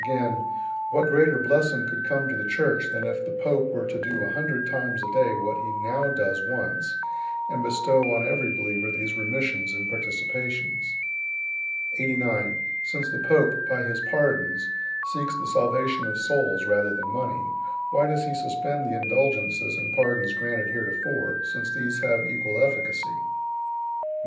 Again: "What greater blessing could come to the Church than if the pope were to do a hundred times a day what he now does once, and bestow on every believer these remissions and participations?" 89. "Since the pope, by his pardons, seeks the salvation of souls rather than money, why does he suspend the indulgences and pardons granted heretofore, since these have equal efficacy?" 90.